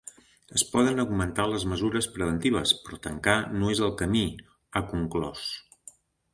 Es poden augmentar les mesures preventives però tancar no és el camí, ha conclòs.